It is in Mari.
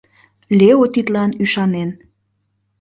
Лео тидлан ӱшанен.